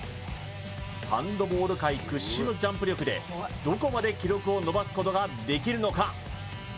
ハンドボール界屈指のジャンプ力でどこまで記録を伸ばすことができるのか？